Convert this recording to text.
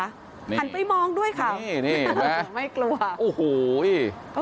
หันไปมองด้วยค่ะนี่นี่ไม่กลัวโอ้โห